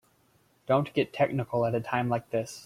Don't get technical at a time like this.